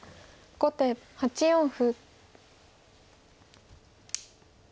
後手８五歩。